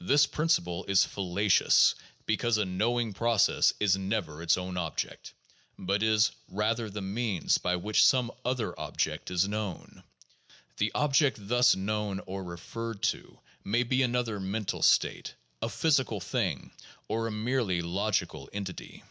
This principle is fallacious because a knowing process is never its own object, but is rather the means by which some other object is known. The object thus known or referred to may be another mental state, a physical thing, or a merely logical entity.